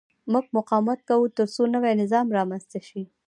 موږ مقاومت کوو ترڅو نوی نظام رامنځته شي.